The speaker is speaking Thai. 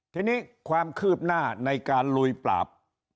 ทีนี้ความคืบหน้าในการลุยปราบ